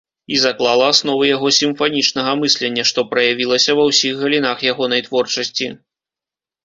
І заклала асновы яго сімфанічнага мыслення, што праявілася ва ўсіх галінах ягонай творчасці.